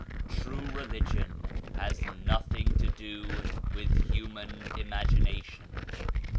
"True Religion has nothing to do with human imagination.